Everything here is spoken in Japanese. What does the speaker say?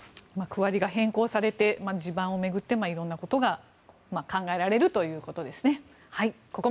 区割りが変更されて地盤を巡って色んなことが考えられるということですね。